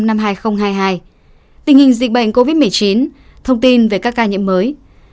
tình hình dịch bệnh covid một mươi chín thông tin về các ca nhiễm mới